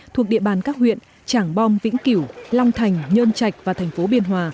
thuộc địa bàn các huyện tràng bom vĩnh kiểu long thành nhơn trạch và thành phố biên hòa